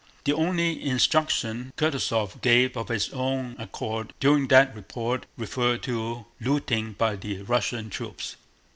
The only instruction Kutúzov gave of his own accord during that report referred to looting by the Russian troops.